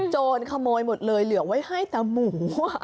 โจรขโมยหมดเลยเหลือไว้ให้แต่หมู